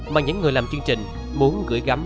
mà những người làm chương trình muốn gửi gắm